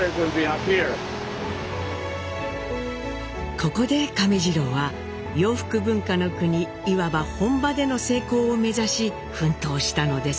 ここで亀治郎は洋服文化の国いわば本場での成功を目指し奮闘したのです。